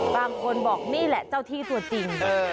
บางคนบอกนี่แหละเจ้าที่ตัวจริง